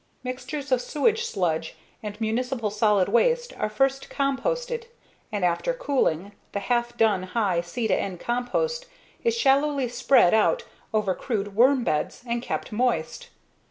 Mixtures of sewage sludge and municipal solid waste are first composted and after cooling, the half done high C/N compost is shallowly spread out over crude worm beds and kept moist.